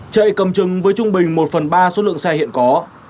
chạy cầm chừng với trung bình một phần ba số lượng xe hiện có